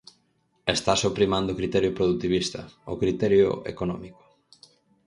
Está só primando o criterio produtivista, o criterio económico.